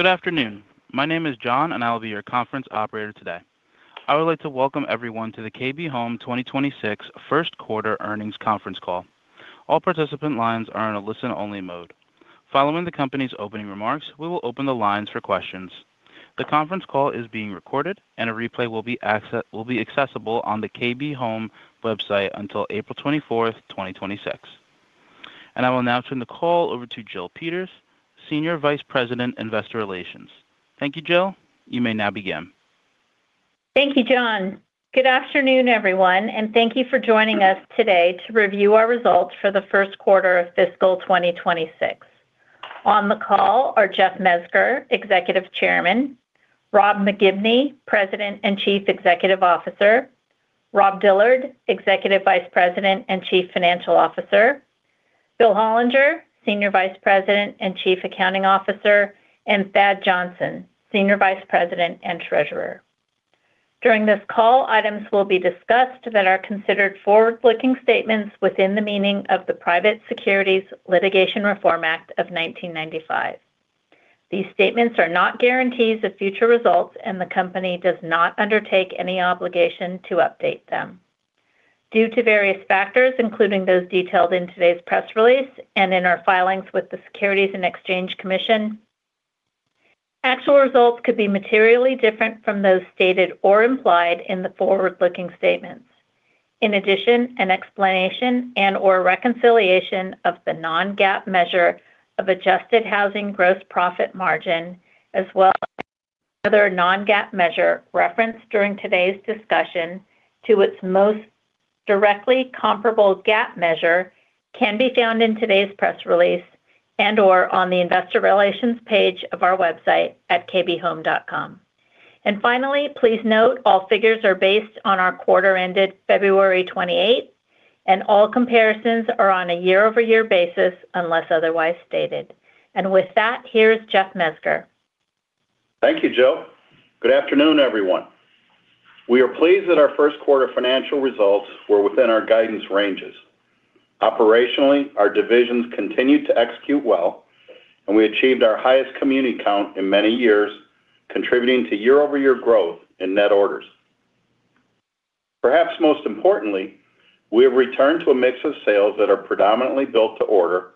Good afternoon. My name is John, and I will be your conference operator today. I would like to welcome everyone to the KB Home 2026 first quarter earnings conference call. All participant lines are in a listen-only mode. Following the company's opening remarks, we will open the lines for questions. The conference call is being recorded, and a replay will be accessible on the KB Home website until April 24, 2026. I will now turn the call over to Jill Peters, Senior Vice President of Investor Relations. Thank you, Jill. You may now begin. Thank you, John. Good afternoon, everyone, and thank you for joining us today to review our results for the first quarter of fiscal 2026. On the call are Jeff Mezger, Executive Chairman, Rob McGibney, President and Chief Executive Officer, Rob Dillard, Executive Vice President and Chief Financial Officer, Bill Hollinger, Senior Vice President and Chief Accounting Officer, and Thad Johnson, Senior Vice President and Treasurer. During this call, items will be discussed that are considered forward-looking statements within the meaning of the Private Securities Litigation Reform Act of 1995. These statements are not guarantees of future results, and the company does not undertake any obligation to update them. Due to various factors, including those detailed in today's press release and in our filings with the Securities and Exchange Commission, actual results could be materially different from those stated or implied in the forward-looking statements. In addition, an explanation and/or reconciliation of the non-GAAP measure of adjusted housing gross profit margin, as well as other non-GAAP measure referenced during today's discussion to its most directly comparable GAAP measure can be found in today's press release and/or on the investor relations page of our website at kbhome.com. Finally, please note all figures are based on our quarter ended February 28, and all comparisons are on a year-over-year basis unless otherwise stated. With that, here's Jeff Mezger. Thank you, Jill. Good afternoon, everyone. We are pleased that our first quarter financial results were within our guidance ranges. Operationally, our divisions continued to execute well, and we achieved our highest community count in many years, contributing to year-over-year growth in net orders. Perhaps most importantly, we have returned to a mix of sales that are predominantly Built to Order,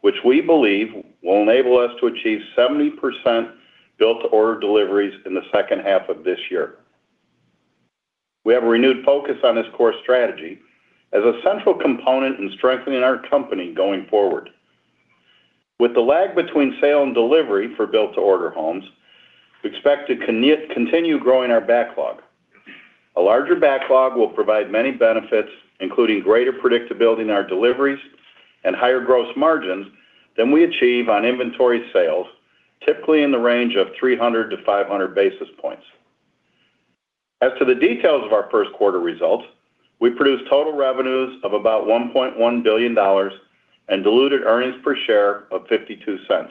which we believe will enable us to achieve 70% Built to Order deliveries in the second half of this year. We have a renewed focus on this core strategy as a central component in strengthening our company going forward. With the lag between sale and delivery for Built to Order homes, we expect to continue growing our backlog. A larger backlog will provide many benefits, including greater predictability in our deliveries and higher gross margins than we achieve on inventory sales, typically in the range of 300-500 basis points. As to the details of our first quarter results, we produced total revenues of about $1.1 billion and diluted earnings per share of $0.52.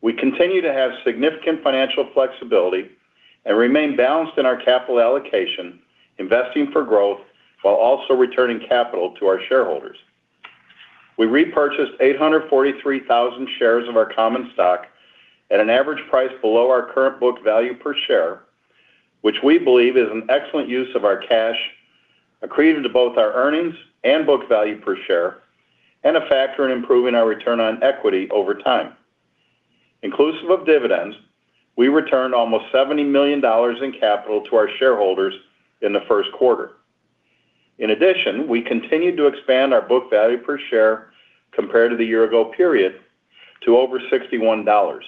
We continue to have significant financial flexibility and remain balanced in our capital allocation, investing for growth while also returning capital to our shareholders. We repurchased 843,000 shares of our common stock at an average price below our current book value per share, which we believe is an excellent use of our cash, accretive to both our earnings and book value per share, and a factor in improving our return on equity over time. Inclusive of dividends, we returned almost $70 million in capital to our shareholders in the first quarter. In addition, we continued to expand our book value per share compared to the year-ago period to over $61.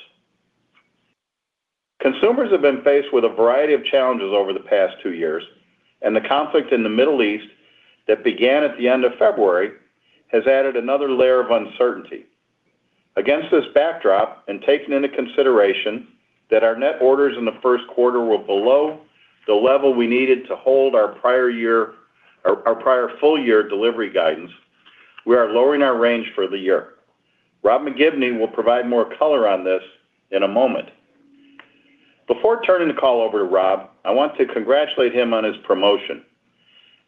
Consumers have been faced with a variety of challenges over the past two years, and the conflict in the Middle East that began at the end of February has added another layer of uncertainty. Against this backdrop, and taking into consideration that our net orders in the first quarter were below the level we needed to hold our prior full-year delivery guidance, we are lowering our range for the year. Robert McGibney will provide more color on this in a moment. Before turning the call over to Rob, I want to congratulate him on his promotion.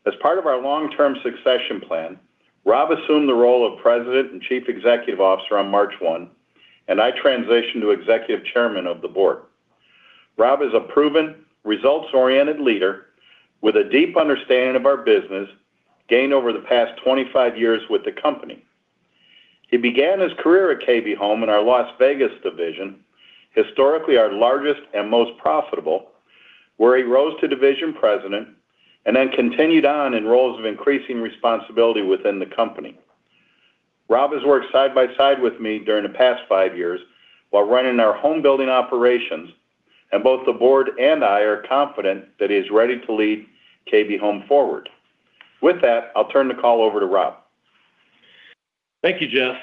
As part of our long-term succession plan, Rob assumed the role of President and Chief Executive Officer on March 1, and I transitioned to Executive Chairman of the Board. Rob is a proven, results-oriented leader with a deep understanding of our business gained over the past 25 years with the company. He began his career at KB Home in our Las Vegas division, historically our largest and most profitable, where he rose to division president and then continued on in roles of increasing responsibility within the company. Rob has worked side by side with me during the past five years while running our home building operations, and both the board and I are confident that he is ready to lead KB Home forward. With that, I'll turn the call over to Rob. Thank you, Jeff.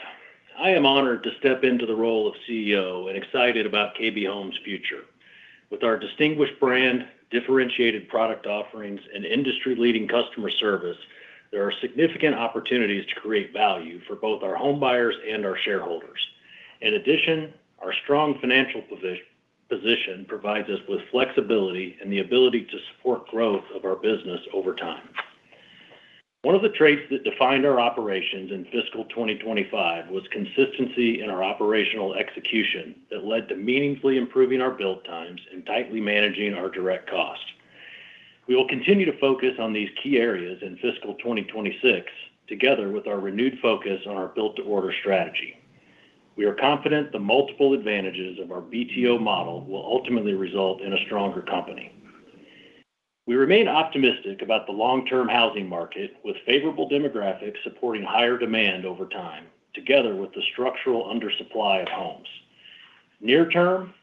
I am honored to step into the role of CEO and excited about KB Home's future. With our distinguished brand, differentiated product offerings, and industry-leading customer service, there are significant opportunities to create value for both our homebuyers and our shareholders. In addition, our strong financial position provides us with flexibility and the ability to support growth of our business over time. One of the traits that defined our operations in fiscal 2025 was consistency in our operational execution that led to meaningfully improving our build times and tightly managing our direct costs. We will continue to focus on these key areas in fiscal 2026 together with our renewed focus on our Built to Order strategy. We are confident the multiple advantages of our BTO model will ultimately result in a stronger company. We remain optimistic about the long-term housing market with favorable demographics supporting higher demand over time, together with the structural undersupply of homes. Near term,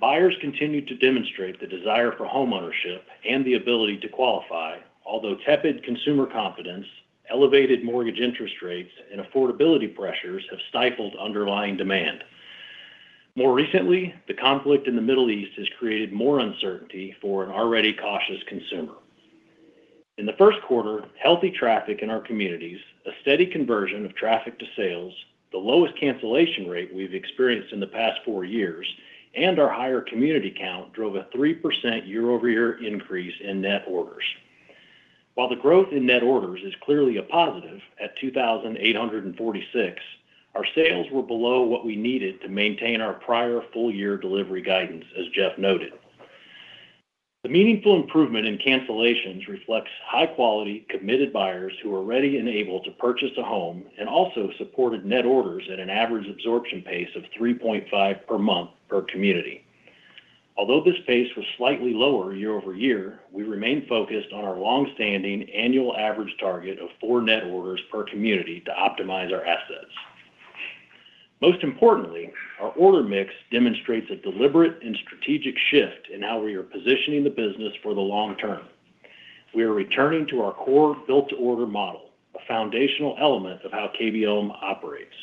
buyers continued to demonstrate the desire for homeownership and the ability to qualify, although tepid consumer confidence, elevated mortgage interest rates, and affordability pressures have stifled underlying demand. More recently, the conflict in the Middle East has created more uncertainty for an already cautious consumer. In the first quarter, healthy traffic in our communities, a steady conversion of traffic to sales, the lowest cancellation rate we've experienced in the past four years, and our higher community count drove a 3% year-over-year increase in net orders. While the growth in net orders is clearly a positive at 2,846, our sales were below what we needed to maintain our prior full year delivery guidance, as Jeff noted. The meaningful improvement in cancellations reflects high quality, committed buyers who are ready and able to purchase a home and also supported net orders at an average absorption pace of 3.5 per month per community. Although this pace was slightly lower year over year, we remain focused on our long-standing annual average target of four net orders per community to optimize our assets. Most importantly, our order mix demonstrates a deliberate and strategic shift in how we are positioning the business for the long term. We are returning to our core Built to Order model, a foundational element of how KB Home operates.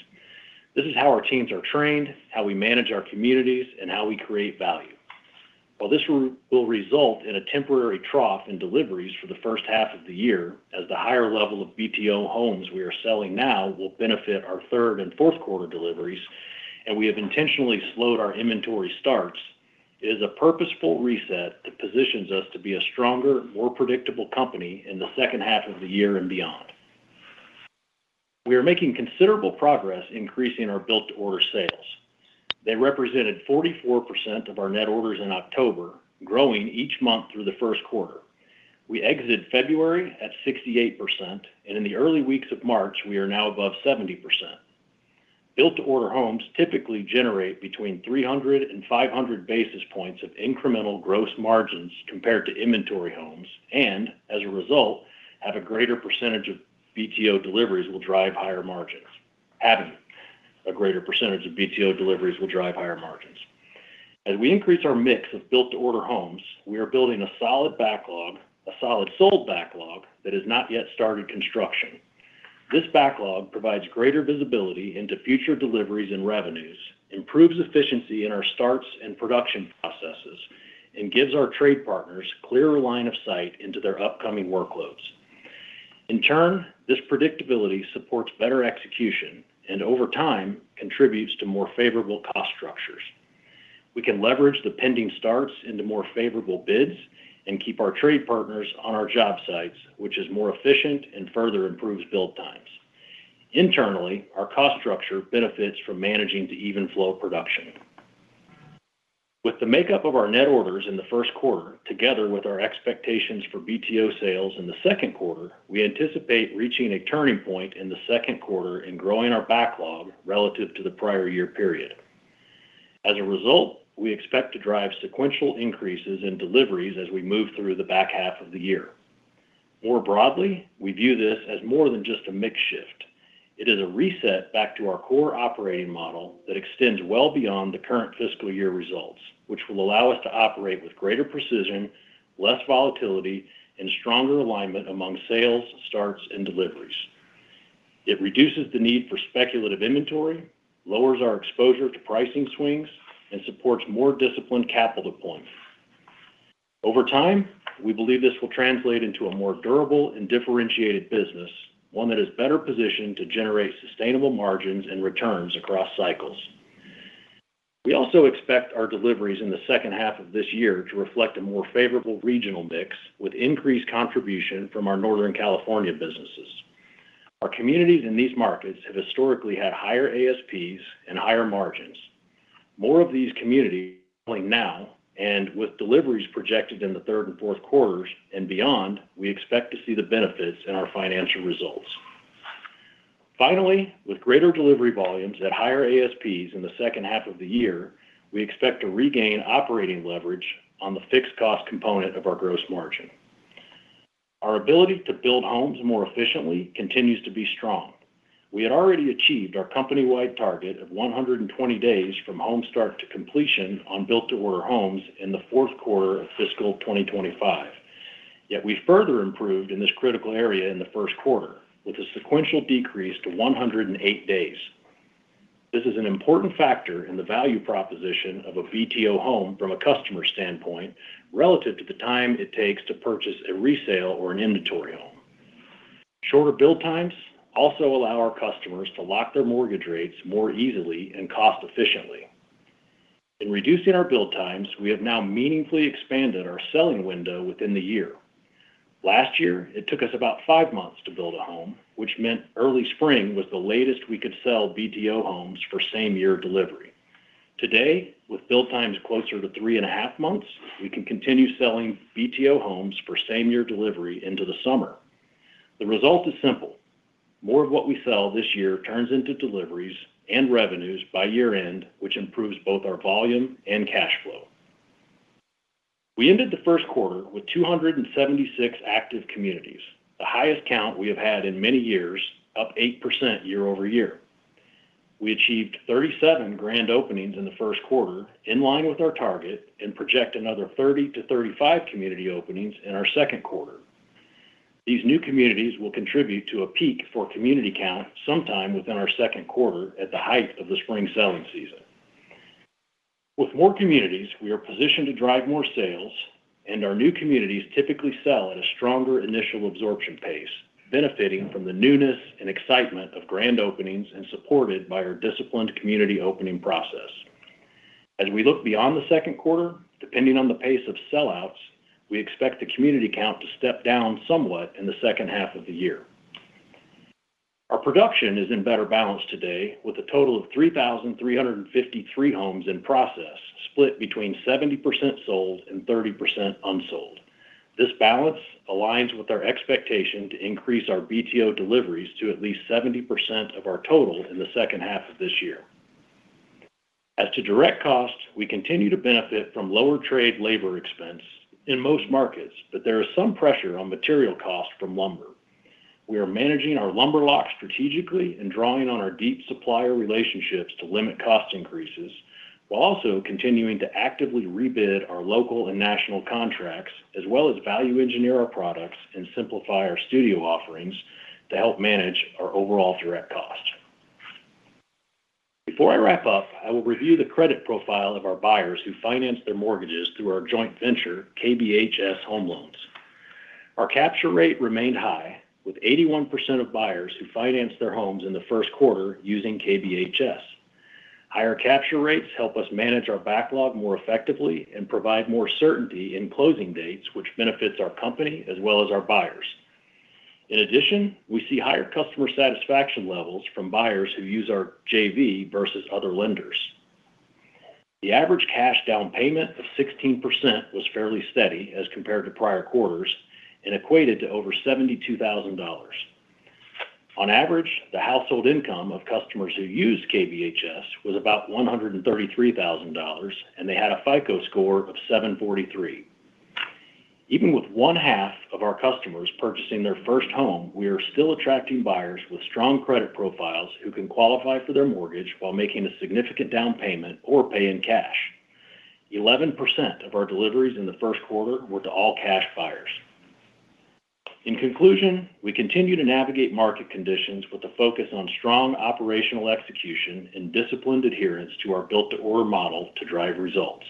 This is how our teams are trained, how we manage our communities, and how we create value. While this will result in a temporary trough in deliveries for the first half of the year as the higher level of BTO homes we are selling now will benefit our third and fourth quarter deliveries, and we have intentionally slowed our inventory starts, it is a purposeful reset that positions us to be a stronger, more predictable company in the second half of the year and beyond. We are making considerable progress increasing our Built to Order sales. They represented 44% of our net orders in October, growing each month through the first quarter. We exited February at 68%, and in the early weeks of March, we are now above 70%. Built to Order homes typically generate between 300-500 basis points of incremental gross margins compared to inventory homes, and as a result, a greater percentage of BTO deliveries will drive higher margins. As we increase our mix of Built to Order homes, we are building a solid sold backlog that has not yet started construction. This backlog provides greater visibility into future deliveries and revenues, improves efficiency in our starts and production processes, and gives our trade partners clearer line of sight into their upcoming workloads. In turn, this predictability supports better execution and over time contributes to more favorable cost structures. We can leverage the pending starts into more favorable bids and keep our trade partners on our job sites, which is more efficient and further improves build times. Internally, our cost structure benefits from managing to even flow production. With the makeup of our net orders in the first quarter, together with our expectations for BTO sales in the second quarter, we anticipate reaching a turning point in the second quarter and growing our backlog relative to the prior year period. As a result, we expect to drive sequential increases in deliveries as we move through the back half of the year. More broadly, we view this as more than just a mix shift. It is a reset back to our core operating model that extends well beyond the current fiscal year results, which will allow us to operate with greater precision, less volatility, and stronger alignment among sales, starts, and deliveries. It reduces the need for speculative inventory, lowers our exposure to pricing swings, and supports more disciplined capital deployment. Over time, we believe this will translate into a more durable and differentiated business, one that is better positioned to generate sustainable margins and returns across cycles. We also expect our deliveries in the second half of this year to reflect a more favorable regional mix with increased contribution from our Northern California businesses. Our communities in these markets have historically had higher ASPs and higher margins. More of these communities are selling now, and with deliveries projected in the third and fourth quarters and beyond, we expect to see the benefits in our financial results. Finally, with greater delivery volumes at higher ASPs in the second half of the year, we expect to regain operating leverage on the fixed cost component of our gross margin. Our ability to build homes more efficiently continues to be strong. We had already achieved our company-wide target of 120 days from home start to completion on Built to Order homes in the fourth quarter of fiscal 2025. Yet we further improved in this critical area in the first quarter with a sequential decrease to 108 days. This is an important factor in the value proposition of a BTO home from a customer standpoint, relative to the time it takes to purchase a resale or an inventory home. Shorter build times also allow our customers to lock their mortgage rates more easily and cost efficiently. In reducing our build times, we have now meaningfully expanded our selling window within the year. Last year, it took us about five months to build a home, which meant early spring was the latest we could sell BTO homes for same-year delivery. Today, with build times closer to 3.5 months, we can continue selling BTO homes for same-year delivery into the summer. The result is simple. More of what we sell this year turns into deliveries and revenues by year-end, which improves both our volume and cash flow. We ended the first quarter with 276 active communities, the highest count we have had in many years, up 8% year-over-year. We achieved 37 grand openings in the first quarter, in line with our target, and project another 30-35 community openings in our second quarter. These new communities will contribute to a peak for community count sometime within our second quarter at the height of the spring selling season. With more communities, we are positioned to drive more sales, and our new communities typically sell at a stronger initial absorption pace, benefiting from the newness and excitement of grand openings and supported by our disciplined community opening process. As we look beyond the second quarter, depending on the pace of sellouts, we expect the community count to step down somewhat in the second half of the year. Our production is in better balance today with a total of 3,353 homes in process, split between 70% sold and 30% unsold. This balance aligns with our expectation to increase our BTO deliveries to at least 70% of our total in the second half of this year. As to direct costs, we continue to benefit from lower trade labor expense in most markets, but there is some pressure on material costs from lumber. We are managing our lumber locks strategically and drawing on our deep supplier relationships to limit cost increases while also continuing to actively rebid our local and national contracts, as well as value engineer our products and simplify our studio offerings to help manage our overall direct cost. Before I wrap up, I will review the credit profile of our buyers who finance their mortgages through our joint venture, KBHS Home Loans. Our capture rate remained high, with 81% of buyers who financed their homes in the first quarter using KBHS. Higher capture rates help us manage our backlog more effectively and provide more certainty in closing dates, which benefits our company as well as our buyers. In addition, we see higher customer satisfaction levels from buyers who use our JV versus other lenders. The average cash down payment of 16% was fairly steady as compared to prior quarters and equated to over $72,000. On average, the household income of customers who use KBHS was about $133,000, and they had a FICO score of 743. Even with 1/2 of our customers purchasing their first home, we are still attracting buyers with strong credit profiles who can qualify for their mortgage while making a significant down payment or pay in cash. 11% of our deliveries in the first quarter were to all-cash buyers. In conclusion, we continue to navigate market conditions with a focus on strong operational execution and disciplined adherence to our Built to Order model to drive results.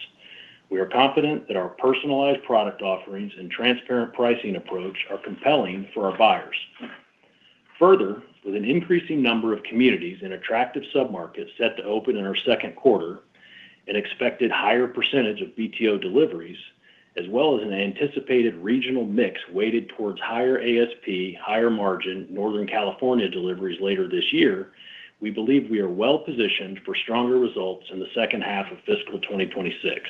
We are confident that our personalized product offerings and transparent pricing approach are compelling for our buyers. Further, with an increasing number of communities in attractive submarkets set to open in our second quarter, an expected higher percentage of BTO deliveries, as well as an anticipated regional mix weighted towards higher ASP, higher margin Northern California deliveries later this year, we believe we are well-positioned for stronger results in the second half of fiscal 2026.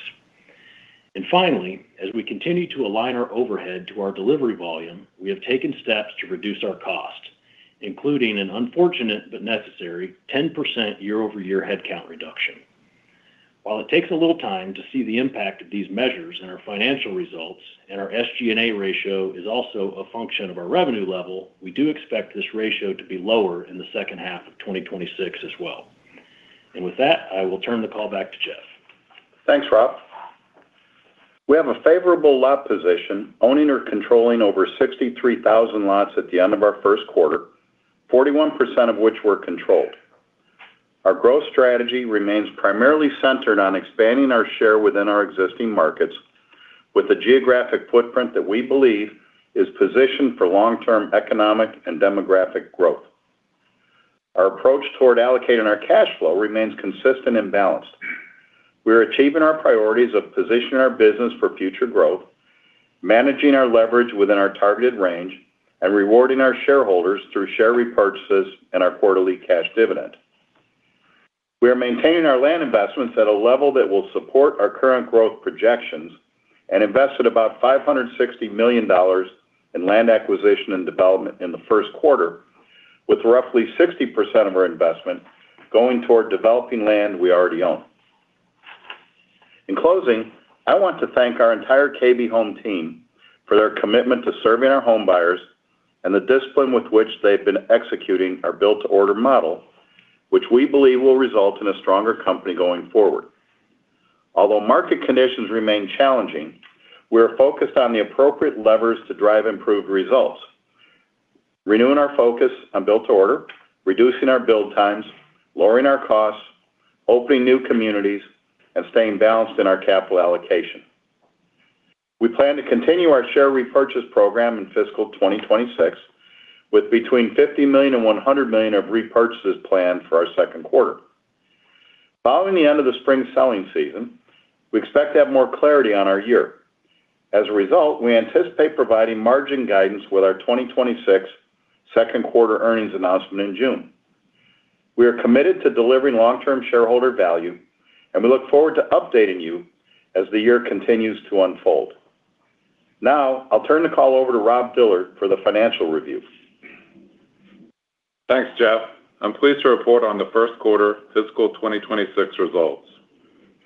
Finally, as we continue to align our overhead to our delivery volume, we have taken steps to reduce our cost, including an unfortunate but necessary 10% year-over-year headcount reduction. While it takes a little time to see the impact of these measures in our financial results, and our SG&A ratio is also a function of our revenue level, we do expect this ratio to be lower in the second half of 2026 as well. With that, I will turn the call back to Jeff. Thanks, Rob. We have a favorable lot position, owning or controlling over 63,000 lots at the end of our first quarter, 41% of which were controlled. Our growth strategy remains primarily centered on expanding our share within our existing markets with a geographic footprint that we believe is positioned for long-term economic and demographic growth. Our approach toward allocating our cash flow remains consistent and balanced. We are achieving our priorities of positioning our business for future growth, managing our leverage within our targeted range, and rewarding our shareholders through share repurchases and our quarterly cash dividend. We are maintaining our land investments at a level that will support our current growth projections and invested about $560 million in land acquisition and development in the first quarter, with roughly 60% of our investment going toward developing land we already own. In closing, I want to thank our entire KB Home team for their commitment to serving our home buyers and the discipline with which they've been executing our Built to Order model, which we believe will result in a stronger company going forward. Although market conditions remain challenging, we are focused on the appropriate levers to drive improved results, renewing our focus on Built to Order, reducing our build times, lowering our costs, opening new communities, and staying balanced in our capital allocation. We plan to continue our share repurchase program in fiscal 2026 with between $50 million and $100 million of repurchases planned for our second quarter. Following the end of the spring selling season, we expect to have more clarity on our year. As a result, we anticipate providing margin guidance with our 2026 second quarter earnings announcement in June. We are committed to delivering long-term shareholder value, and we look forward to updating you as the year continues to unfold. Now, I'll turn the call over to Robert Dillard for the financial review. Thanks, Jeff. I'm pleased to report on the first quarter fiscal 2026 results.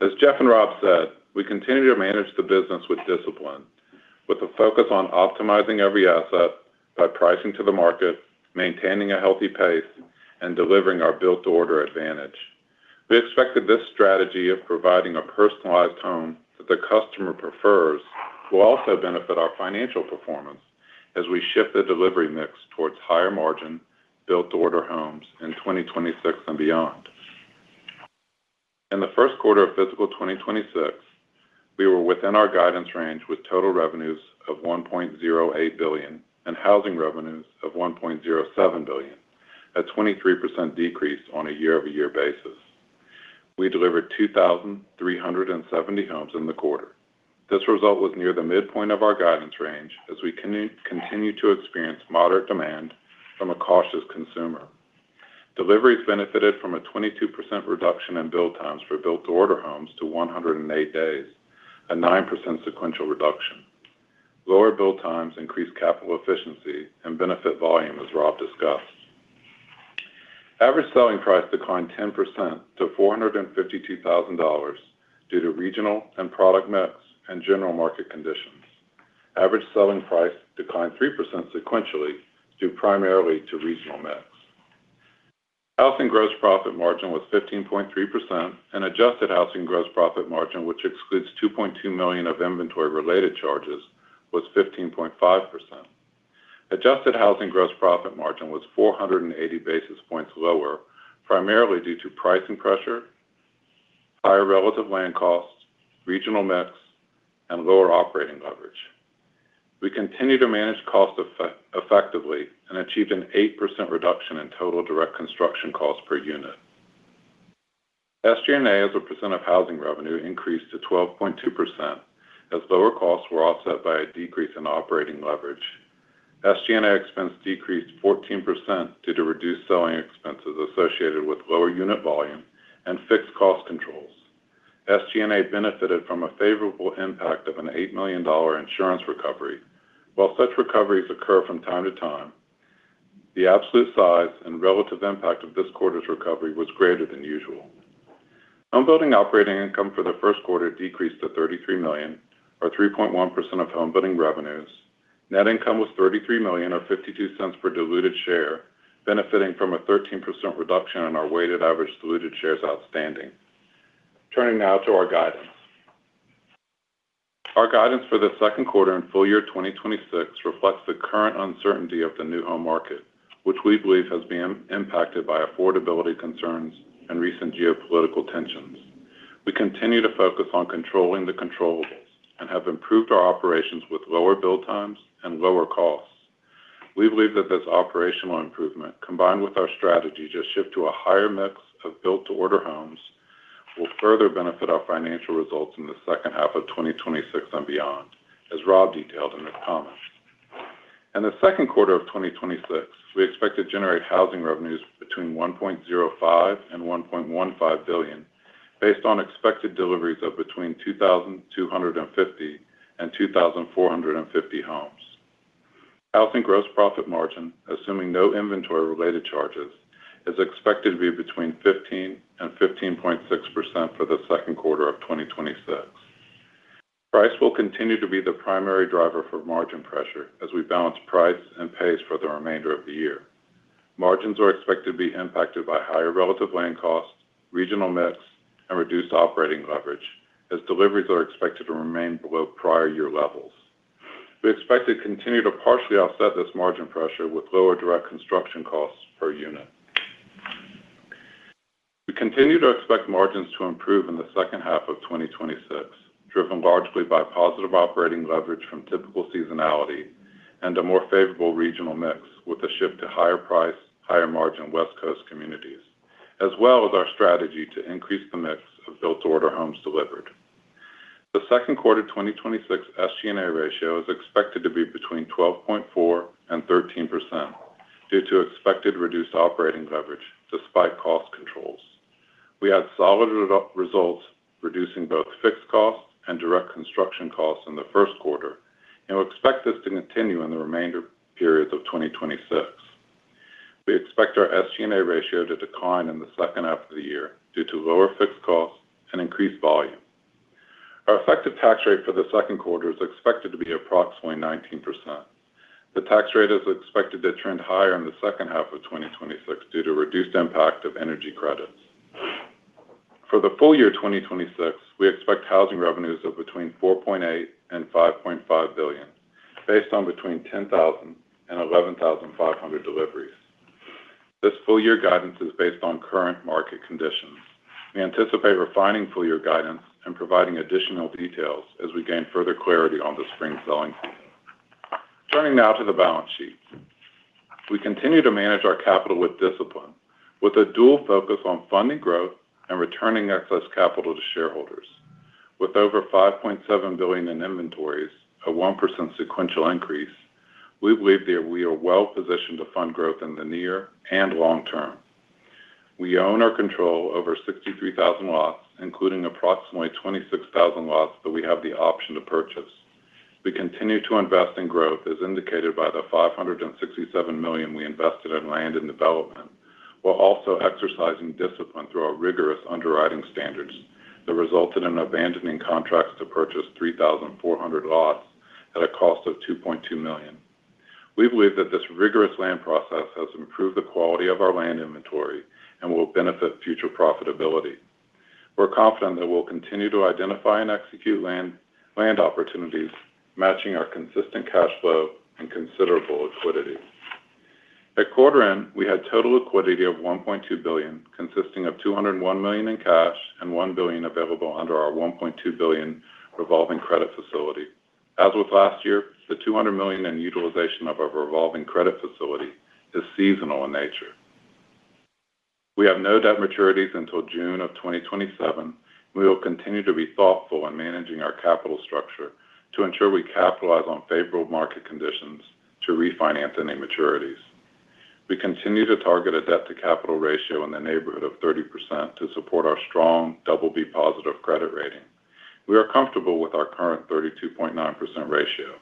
As Jeff and Rob said, we continue to manage the business with discipline, with a focus on optimizing every asset by pricing to the market, maintaining a healthy pace, and delivering our Built to Order advantage. We expected this strategy of providing a personalized home that the customer prefers will also benefit our financial performance as we shift the delivery mix towards higher margin Built to Order homes in 2026 and beyond. In the first quarter of fiscal 2026, we were within our guidance range with total revenues of $1.08 billion and housing revenues of $1.07 billion, a 23% decrease on a year-over-year basis. We delivered 2,370 homes in the quarter. This result was near the midpoint of our guidance range as we continue to experience moderate demand from a cautious consumer. Deliveries benefited from a 22% reduction in build times for Built to Order homes to 108 days, a 9% sequential reduction. Lower build times increased capital efficiency and benefited volume, as Rob discussed. Average selling price declined 10% to $452,000 due to regional and product mix and general market conditions. Average selling price declined 3% sequentially due primarily to regional mix. Housing gross profit margin was 15.3%, and adjusted housing gross profit margin, which excludes $2.2 million of inventory-related charges, was 15.5%. Adjusted housing gross profit margin was 480 basis points lower, primarily due to pricing pressure, higher relative land costs, regional mix, and lower operating leverage. We continue to manage costs effectively and achieved an 8% reduction in total direct construction costs per unit. SG&A, as a percent of housing revenue, increased to 12.2% as lower costs were offset by a decrease in operating leverage. SG&A expense decreased 14% due to reduced selling expenses associated with lower unit volume and fixed cost controls. SG&A benefited from a favorable impact of an $8 million insurance recovery. While such recoveries occur from time to time, the absolute size and relative impact of this quarter's recovery was greater than usual. Homebuilding operating income for the first quarter decreased to $33 million or 3.1% of homebuilding revenues. Net income was $33 million or $0.52 per diluted share, benefiting from a 13% reduction in our weighted average diluted shares outstanding. Turning now to our guidance. Our guidance for the second quarter and full year 2026 reflects the current uncertainty of the new home market, which we believe has been impacted by affordability concerns and recent geopolitical tensions. We continue to focus on controlling the controllables and have improved our operations with lower build times and lower costs. We believe that this operational improvement, combined with our strategy to shift to a higher mix of Built to Order homes, will further benefit our financial results in the second half of 2026 and beyond, as Rob detailed in his comments. In the second quarter of 2026, we expect to generate housing revenues between $1.05 billion and $1.15 billion based on expected deliveries of between 2,250 and 2,450 homes. Housing gross profit margin, assuming no inventory-related charges, is expected to be between 15%-15.6% for the second quarter of 2026. Price will continue to be the primary driver for margin pressure as we balance price and pace for the remainder of the year. Margins are expected to be impacted by higher relative land costs, regional mix, and reduced operating leverage as deliveries are expected to remain below prior year levels. We expect to continue to partially offset this margin pressure with lower direct construction costs per unit. We continue to expect margins to improve in the second half of 2026, driven largely by positive operating leverage from typical seasonality and a more favorable regional mix with a shift to higher price, higher margin West Coast communities, as well as our strategy to increase the mix of Built to Order homes delivered. The second quarter 2026 SG&A ratio is expected to be between 12.4% and 13% due to expected reduced operating leverage despite cost controls. We had solid results reducing both fixed costs and direct construction costs in the first quarter, and we expect this to continue in the remainder periods of 2026. We expect our SG&A ratio to decline in the second half of the year due to lower fixed costs and increased volume. Our effective tax rate for the second quarter is expected to be approximately 19%. The tax rate is expected to trend higher in the second half of 2026 due to reduced impact of energy credits. For the full year 2026, we expect housing revenues of between $4.8 billion and $5.5 billion based on between 10,000 and 11,500 deliveries. This full year guidance is based on current market conditions. We anticipate refining full year guidance and providing additional details as we gain further clarity on the spring selling season. Turning now to the balance sheet. We continue to manage our capital with discipline, with a dual focus on funding growth and returning excess capital to shareholders. With over $5.7 billion in inventories, a 1% sequential increase, we believe that we are well positioned to fund growth in the near and long term. We own or control over 63,000 lots, including approximately 26,000 lots that we have the option to purchase. We continue to invest in growth as indicated by the $567 million we invested in land and development, while also exercising discipline through our rigorous underwriting standards that resulted in abandoning contracts to purchase 3,400 lots at a cost of $2.2 million. We believe that this rigorous land process has improved the quality of our land inventory and will benefit future profitability. We're confident that we'll continue to identify and execute land opportunities, matching our consistent cash flow and considerable liquidity. At quarter end, we had total liquidity of $1.2 billion, consisting of $201 million in cash and $1 billion available under our $1.2 billion revolving credit facility. As with last year, the $200 million in utilization of our revolving credit facility is seasonal in nature. We have no debt maturities until June 2027. We will continue to be thoughtful in managing our capital structure to ensure we capitalize on favorable market conditions to refinance any maturities. We continue to target a debt-to-capital ratio in the neighborhood of 30% to support our strong BB+ credit rating. We are comfortable with our current 32.9% ratio.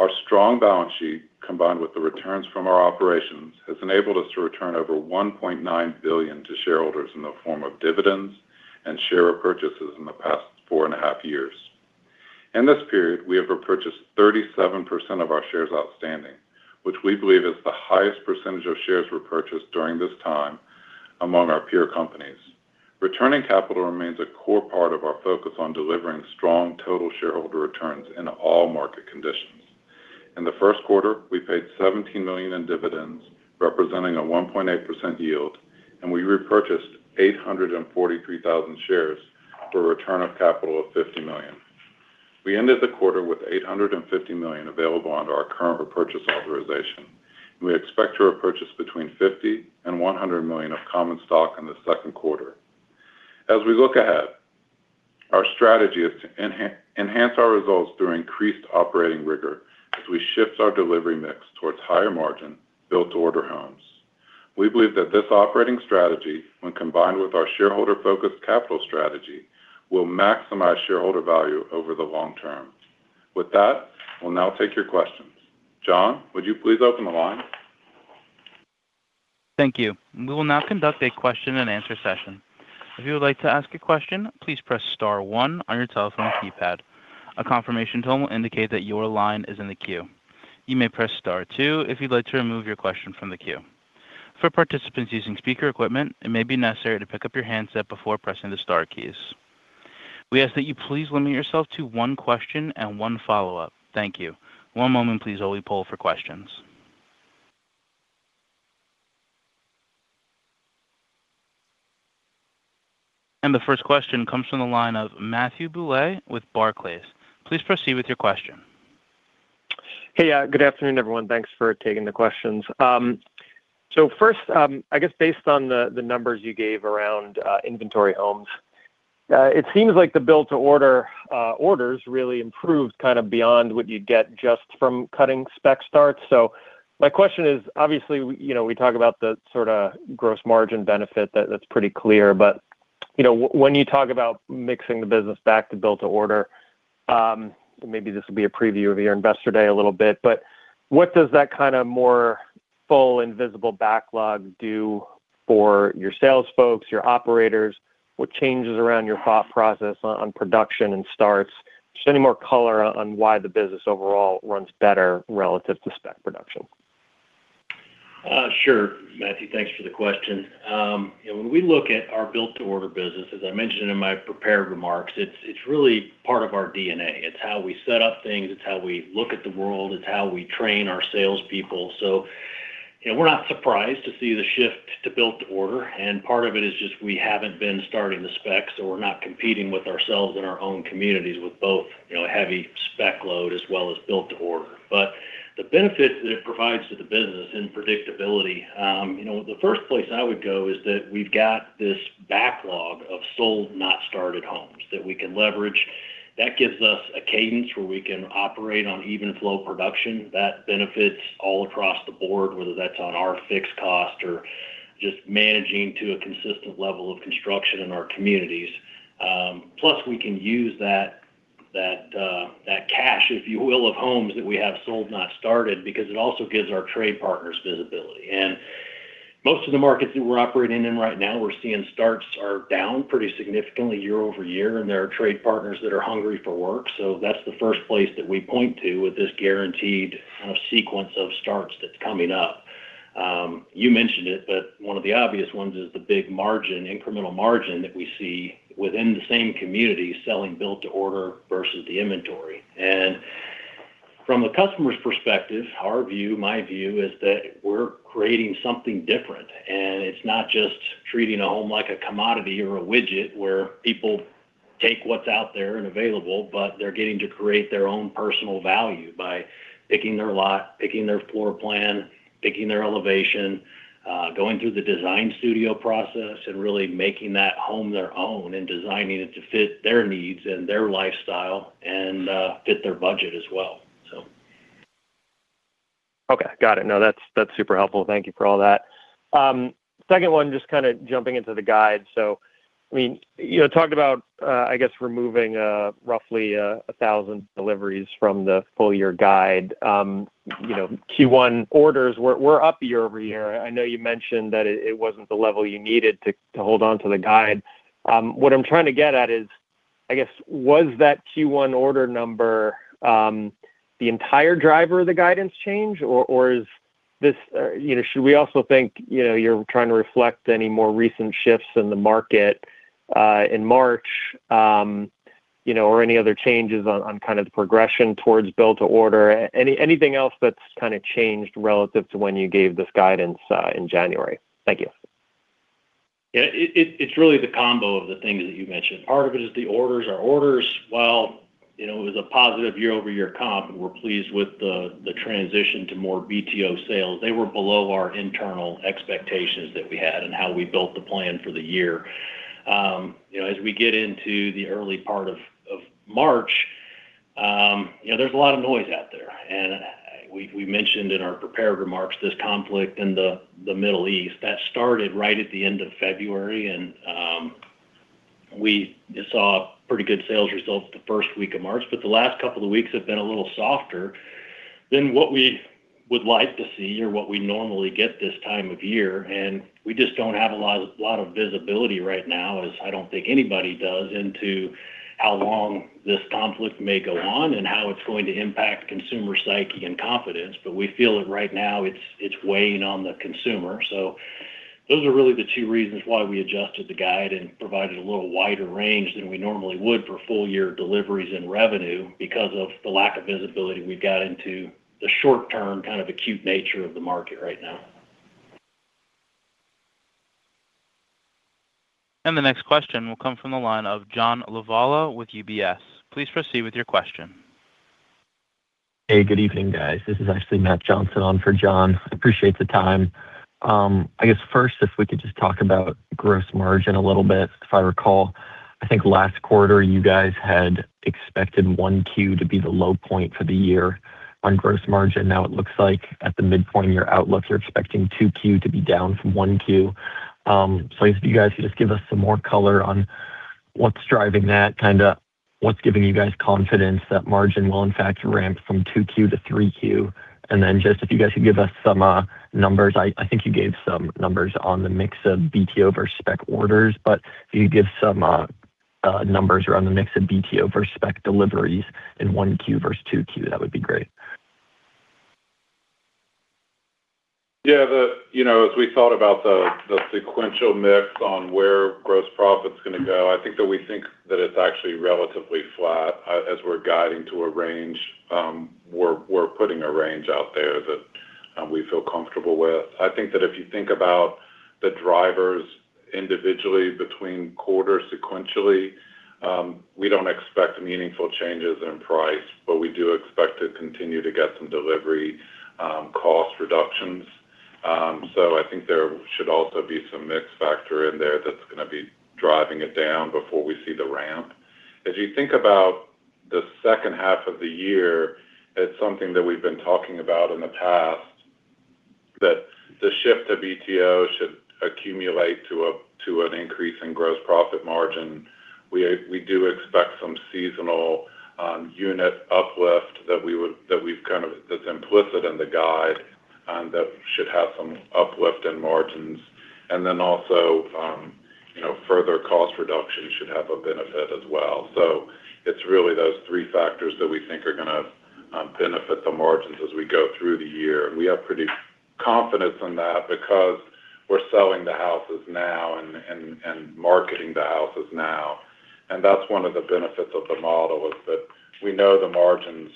Our strong balance sheet, combined with the returns from our operations, has enabled us to return over $1.9 billion to shareholders in the form of dividends and share repurchases in the past 4.5 years. In this period, we have repurchased 37% of our shares outstanding, which we believe is the highest percentage of shares repurchased during this time among our peer companies. Returning capital remains a core part of our focus on delivering strong total shareholder returns in all market conditions. In the first quarter, we paid $17 million in dividends, representing a 1.8% yield, and we repurchased 843,000 shares for a return of capital of $50 million. We ended the quarter with $850 million available under our current repurchase authorization. We expect to repurchase between $50 million and $100 million of common stock in the second quarter. As we look ahead, our strategy is to enhance our results through increased operating rigor as we shift our delivery mix towards higher margin Built to Order homes. We believe that this operating strategy, when combined with our shareholder-focused capital strategy, will maximize shareholder value over the long term. With that, we'll now take your questions. John, would you please open the line? Thank you. We will now conduct a question-and-answer session. If you would like to ask a question, please press star one on your telephone keypad. A confirmation tone will indicate that your line is in the queue. You may press star two if you'd like to remove your question from the queue. For participants using speaker equipment, it may be necessary to pick up your handset before pressing the star keys. We ask that you please limit yourself to one question and one follow-up. Thank you. One moment please while we poll for questions. The first question comes from the line of Matthew Bouley with Barclays. Please proceed with your question. Hey, good afternoon, everyone. Thanks for taking the questions. First, I guess based on the numbers you gave around inventory homes, it seems like the Built to Order orders really improved kind of beyond what you'd get just from cutting spec starts. My question is, obviously, you know, we talk about the sort of gross margin benefit that's pretty clear. You know, when you talk about mixing the business back to Built to Order, maybe this will be a preview of your Investor Day a little bit, but what does that kind of more full and visible backlog do for your sales folks, your operators? What changes around your thought process on production and starts? Just any more color on why the business overall runs better relative to spec production. Sure, Matthew, thanks for the question. When we look at our Built to Order business, as I mentioned in my prepared remarks, it's really part of our DNA. It's how we set up things. It's how we look at the world. It's how we train our salespeople. You know, we're not surprised to see the shift to Built to Order. Part of it is just we haven't been starting the specs, so we're not competing with ourselves in our own communities with both, you know, heavy spec load as well as Built to Order. The benefit that it provides to the business in predictability, you know, the first place I would go is that we've got this backlog of sold not started homes that we can leverage. That gives us a cadence where we can operate on even flow production that benefits all across the board, whether that's on our fixed cost or just managing to a consistent level of construction in our communities. Plus we can use that cash, if you will, of homes that we have sold not started because it also gives our trade partners visibility. Most of the markets that we're operating in right now, we're seeing starts are down pretty significantly year-over-year, and there are trade partners that are hungry for work. That's the first place that we point to with this guaranteed kind of sequence of starts that's coming up. You mentioned it, but one of the obvious ones is the big margin, incremental margin that we see within the same community selling Built to Order versus the inventory. From the customer's perspective, our view, my view is that we're creating something different. It's not just treating a home like a commodity or a widget where people take what's out there and available, but they're getting to create their own personal value by picking their lot, picking their floor plan, picking their elevation, going through the design studio process, and really making that home their own and designing it to fit their needs and their lifestyle and, fit their budget as well, so. Okay. Got it. No, that's super helpful. Thank you for all that. Second one, just kind of jumping into the guide. I mean, you know, talked about, I guess removing, roughly, 1,000 deliveries from the full year guide. You know, Q1 orders were up year-over-year. I know you mentioned that it wasn't the level you needed to hold onto the guide. What I'm trying to get at is, I guess, was that Q1 order number the entire driver of the guidance change or is this, you know, should we also think, you know, you're trying to reflect any more recent shifts in the market, in March, you know, or any other changes on kind of the progression towards Built to Order? Anything else that's kind of changed relative to when you gave this guidance in January? Thank you. Yeah. It's really the combo of the things that you mentioned. Part of it is the orders. Our orders, while you know it was a positive year-over-year comp, and we're pleased with the transition to more BTO sales, they were below our internal expectations that we had and how we built the plan for the year. You know, as we get into the early part of March, you know there's a lot of noise out there. We mentioned in our prepared remarks this conflict in the Middle East. That started right at the end of February and we saw pretty good sales results the first week of March. The last couple of weeks have been a little softer than what we would like to see or what we normally get this time of year. We just don't have a lot of visibility right now, as I don't think anybody does, into how long this conflict may go on and how it's going to impact consumer psyche and confidence. We feel that right now it's weighing on the consumer. Those are really the two reasons why we adjusted the guide and provided a little wider range than we normally would for full year deliveries and revenue because of the lack of visibility we've got into the short term, kind of acute nature of the market right now. The next question will come from the line of John Lovallo with UBS. Please proceed with your question. Hey, good evening, guys. This is actually Matthew Johnson on for John. Appreciate the time. I guess first if we could just talk about gross margin a little bit. If I recall, I think last quarter you guys had expected 1Q to be the low point for the year on gross margin. Now it looks like at the midpoint of your outlook, you're expecting 2Q to be down from 1Q. I guess if you guys could just give us some more color on what's driving that, kind of what's giving you guys confidence that margin will in fact ramp from 2Q to 3Q. Just if you guys could give us some numbers. I think you gave some numbers on the mix of BTO versus spec orders, but if you could give some numbers around the mix of BTO versus spec deliveries in 1Q versus 2Q, that would be great. Yeah. You know, as we thought about the sequential mix on where gross profit's gonna go, I think that we think that it's actually relatively flat as we're guiding to a range. We're putting a range out there that we feel comfortable with. I think that if you think about the drivers individually between quarters sequentially, we don't expect meaningful changes in price, but we do expect to continue to get some delivery cost reductions. I think there should also be some mix factor in there that's gonna be driving it down before we see the ramp. As you think about the second half of the year, it's something that we've been talking about in the past, that the shift to BTO should accumulate to an increase in gross profit margin. We do expect some seasonal unit uplift that's implicit in the guide that should have some uplift in margins. Also, you know, further cost reduction should have a benefit as well. It's really those three factors that we think are gonna benefit the margins as we go through the year. We are pretty confident in that because we're selling the houses now and marketing the houses now. That's one of the benefits of the model is that we know the margins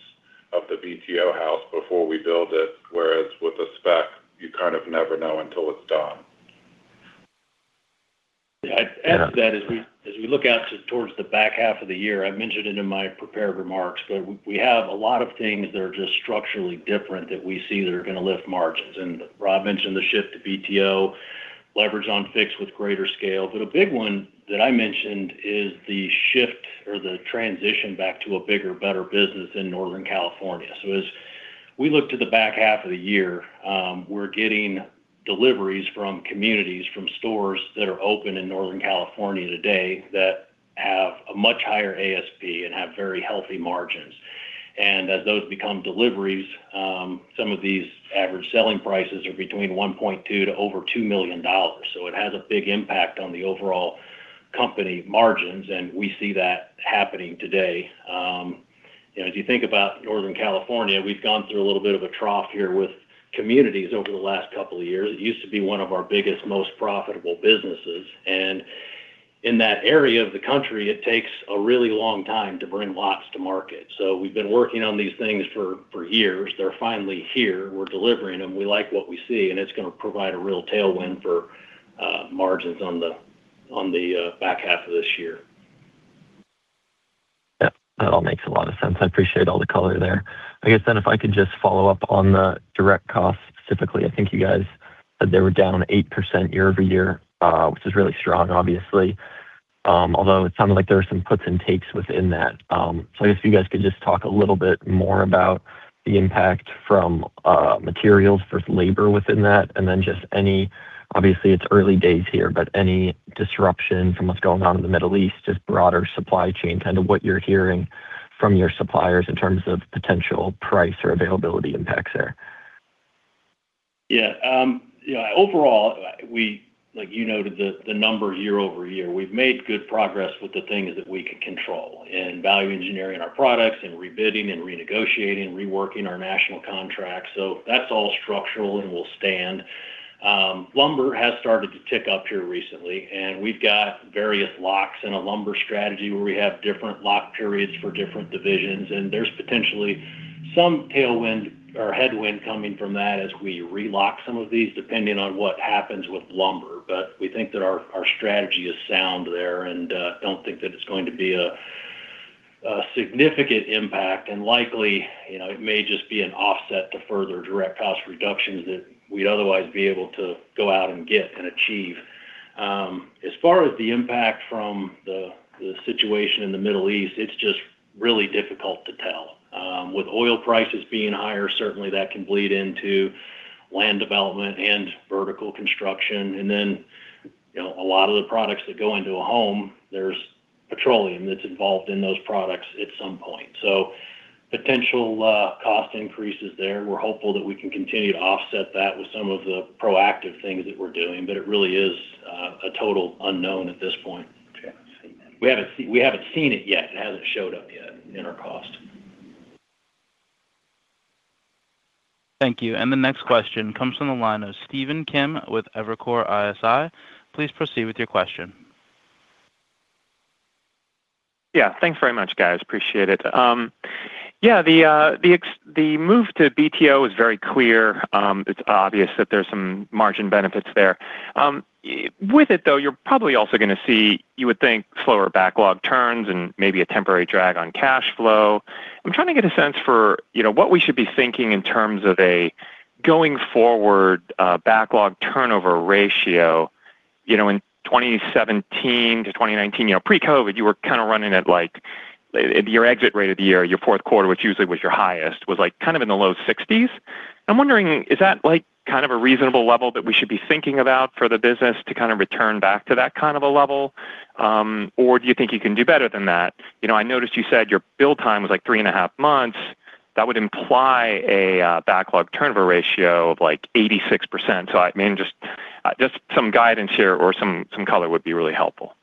of the BTO house before we build it, whereas with a spec, you kind of never know until it's done. Yeah. I'd add to that as we look out towards the back half of the year. I mentioned it in my prepared remarks, but we have a lot of things that are just structurally different that we see that are going to lift margins. Rob mentioned the shift to BTO, leverage on fixed with greater scale. A big one that I mentioned is the shift or the transition back to a bigger, better business in Northern California. As we look to the back half of the year, we're getting deliveries from communities, from stores that are open in Northern California today that have a much higher ASP and have very healthy margins. As those become deliveries, some of these average selling prices are between $1.2 million to over $2 million. It has a big impact on the overall company margins, and we see that happening today. You know, as you think about Northern California, we've gone through a little bit of a trough here with communities over the last couple of years. It used to be one of our biggest, most profitable businesses. In that area of the country, it takes a really long time to bring lots to market. We've been working on these things for years. They're finally here. We're delivering them. We like what we see, and it's going to provide a real tailwind for margins on the back half of this year. Yeah, that all makes a lot of sense. I appreciate all the color there. I guess if I could just follow up on the direct costs specifically. I think you guys said they were down 8% year-over-year, which is really strong, obviously. Although it sounded like there were some puts and takes within that. I guess if you guys could just talk a little bit more about the impact from materials. There's labor within that. Obviously, it's early days here, but any disruption from what's going on in the Middle East, just broader supply chain, kind of what you're hearing from your suppliers in terms of potential price or availability impacts there. Yeah. Yeah, overall, like you noted the number year-over-year, we've made good progress with the things that we can control. In value engineering our products, in rebidding and renegotiating, reworking our national contracts. That's all structural and will stand. Lumber has started to tick up here recently, and we've got various locks in a lumber strategy where we have different lock periods for different divisions, and there's potentially some tailwind or headwind coming from that as we re-lock some of these depending on what happens with lumber. But we think that our strategy is sound there and don't think that it's going to be a significant impact and likely, you know, it may just be an offset to further direct cost reductions that we'd otherwise be able to go out and get and achieve. As far as the impact from the situation in the Middle East, it's just really difficult to tell. With oil prices being higher, certainly that can bleed into land development and vertical construction. You know, a lot of the products that go into a home, there's petroleum that's involved in those products at some point. Potential cost increases there. We're hopeful that we can continue to offset that with some of the proactive things that we're doing, but it really is a total unknown at this point. Okay. I see. We haven't seen it yet. It hasn't showed up yet in our cost. Thank you. The next question comes from the line of Stephen Kim with Evercore ISI. Please proceed with your question. Yeah. Thanks very much, guys. Appreciate it. Yeah, the move to BTO is very clear. It's obvious that there's some margin benefits there. With it, though, you're probably also gonna see, you would think, slower backlog turns and maybe a temporary drag on cash flow. I'm trying to get a sense for, you know, what we should be thinking in terms of a going forward, backlog turnover ratio. You know, in 2017 to 2019, you know, pre-COVID, you were kind of running at like. Your exit rate of the year, your fourth quarter, which usually was your highest, was like kind of in the low 60s. I'm wondering, is that, like, kind of a reasonable level that we should be thinking about for the business to kind of return back to that kind of a level? Do you think you can do better than that? You know, I noticed you said your build time was like 3.5 months. That would imply a backlog turnover ratio of like 86%. I mean, just some guidance here or some color would be really helpful.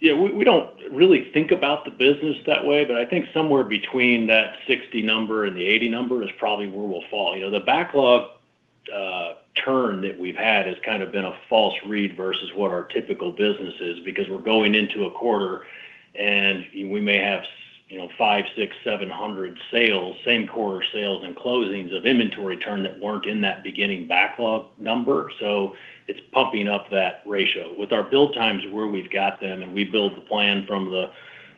Yeah, we don't really think about the business that way, but I think somewhere between that 60 number and the 80 number is probably where we'll fall. You know, the backlog turn that we've had has kind of been a false read versus what our typical business is because we're going into a quarter and we may have you know, 500, 600, 700 sales, same quarter sales and closings of inventory turn that weren't in that beginning backlog number. It's pumping up that ratio. With our build times where we've got them, and we build the plan from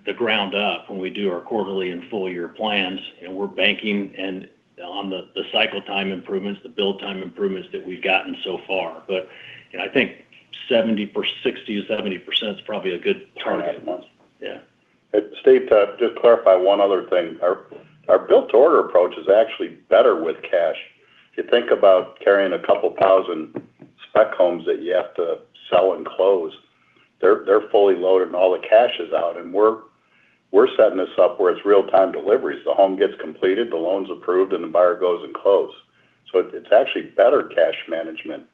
the ground up when we do our quarterly and full year plans, and we're banking on the cycle time improvements, the build time improvements that we've gotten so far. You know, I think 60%-70% is probably a good target. Turnout months. Yeah. Steve, to just clarify one other thing. Our Built to Order approach is actually better with cash. You think about carrying a couple thousand spec homes that you have to sell and close, they're fully loaded and all the cash is out. We're setting this up where it's real-time deliveries. The home gets completed, the loan's approved, and the buyer goes and close. It's actually better cash management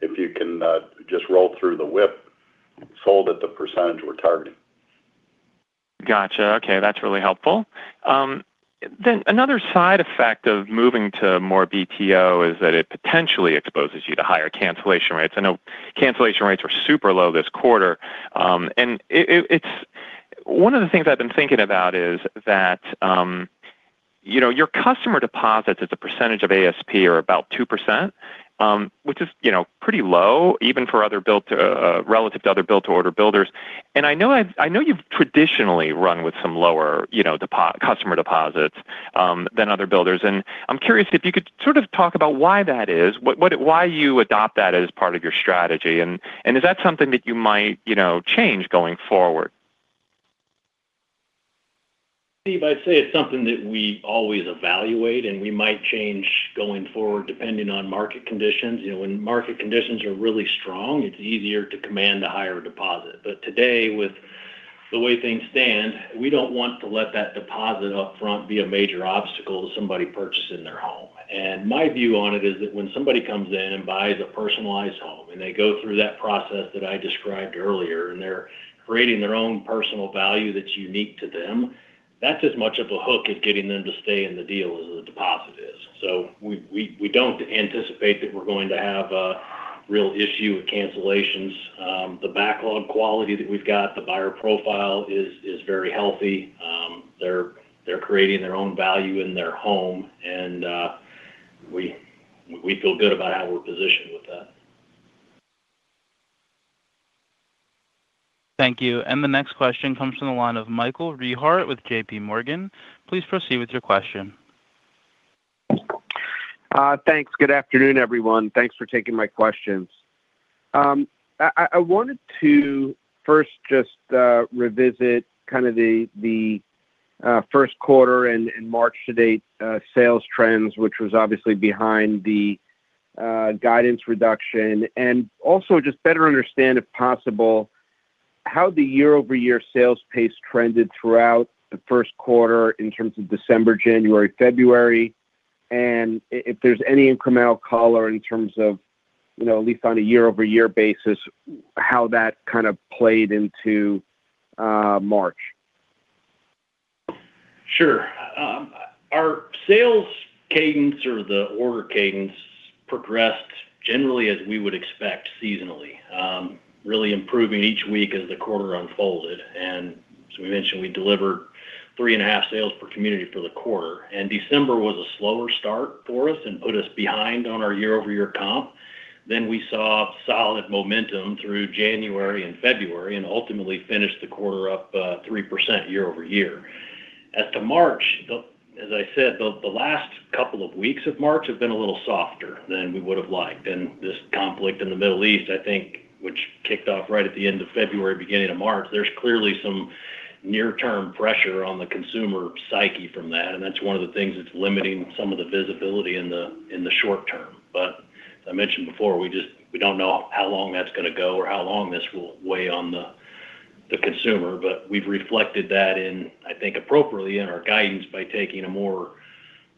if you can just roll through the WIP sold at the percentage we're targeting. Gotcha. Okay. That's really helpful. Another side effect of moving to more BTO is that it potentially exposes you to higher cancellation rates. I know cancellation rates were super low this quarter. It's one of the things I've been thinking about is that you know, your customer deposits as a percentage of ASP are about 2%, which is you know, pretty low even relative to other Built to Order builders. I know you've traditionally run with some lower you know, customer deposits than other builders. I'm curious if you could sort of talk about why that is, why you adopt that as part of your strategy. Is that something that you might you know, change going forward? Stephen, I'd say it's something that we always evaluate, and we might change going forward depending on market conditions. You know, when market conditions are really strong, it's easier to command a higher deposit. Today, with the way things stand, we don't want to let that deposit up front be a major obstacle to somebody purchasing their home. My view on it is that when somebody comes in and buys a personalized home, and they go through that process that I described earlier, and they're creating their own personal value that's unique to them, that's as much of a hook as getting them to stay in the deal as the deposit is. We don't anticipate that we're going to have a real issue with cancellations. The backlog quality that we've got, the buyer profile is very healthy. They're creating their own value in their home. We feel good about how we're positioned with that. Thank you. The next question comes from the line of Michael Rehaut with JPMorgan. Please proceed with your question. Thanks. Good afternoon, everyone. Thanks for taking my questions. I wanted to first just revisit kind of the first quarter and March to date sales trends, which was obviously behind the guidance reduction, and also just better understand, if possible, how the year-over-year sales pace trended throughout the first quarter in terms of December, January, February, and if there's any incremental color in terms of, you know, at least on a year-over-year basis, how that kind of played into March. Sure. Our sales cadence or the order cadence progressed generally as we would expect seasonally, really improving each week as the quarter unfolded. As we mentioned, we delivered 3.5 sales per community for the quarter. December was a slower start for us and put us behind on our year-over-year comp. We saw solid momentum through January and February and ultimately finished the quarter up 3% year over year. As to March, as I said, the last couple of weeks of March have been a little softer than we would have liked. This conflict in the Middle East, I think, which kicked off right at the end of February, beginning of March, there's clearly some near term pressure on the consumer psyche from that. That's one of the things that's limiting some of the visibility in the short term. As I mentioned before, we don't know how long that's going to go or how long this will weigh on the consumer. We've reflected that appropriately in our guidance by taking a more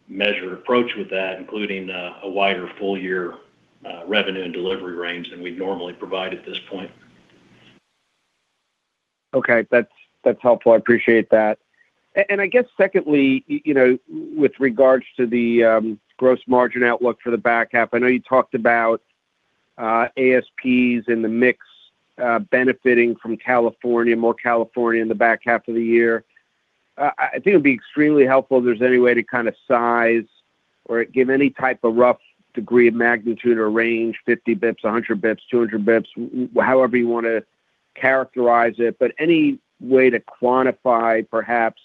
measured approach with that, including a wider full year revenue and delivery range than we'd normally provide at this point. Okay. That's helpful. I appreciate that. And I guess secondly, you know, with regards to the gross margin outlook for the back half, I know you talked about ASPs in the mix benefiting from California, more California in the back half of the year. I think it'd be extremely helpful if there's any way to kind of size or give any type of rough degree of magnitude or range, 50 basis points, 100 basis points, 200 basis points, however you want to characterize it, but any way to quantify perhaps